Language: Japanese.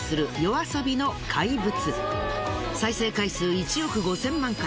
再生回数１億５０００万回。